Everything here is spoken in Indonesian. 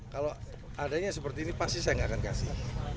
kalau adanya seperti ini pasti saya nggak akan kasih